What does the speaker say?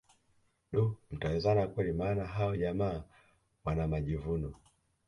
Duh mtawezana kweli maana hao jamaa wana majivuno